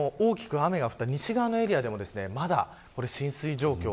大きく大雨が降った西側のエリアでもまだ浸水状況